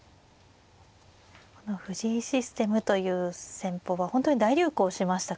この藤井システムという戦法は本当に大流行しましたからね。